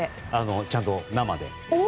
ちゃんと生で。